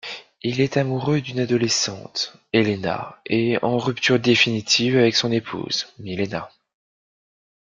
Il est amoureux d'une adolescente, Elena, et en rupture définitive avec son épouse, Milena.